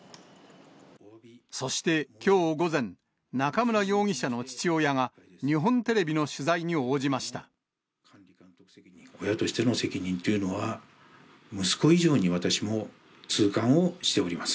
そしてきょう午前、中村容疑者の父親が、親としての責任というのは、息子以上に私も痛感をしております。